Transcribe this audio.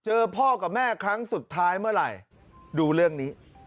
พ่อกับแม่ครั้งสุดท้ายเมื่อไหร่ดูเรื่องนี้